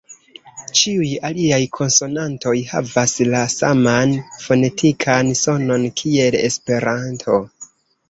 Ĉiuj aliaj konsonantoj havas la saman fonetikan sonon kiel Esperanto